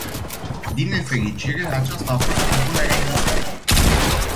Din nefericire, aceasta a fost propunerea inițială.